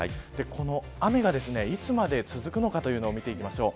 この雨がいつまで続くのか見ていきましょう。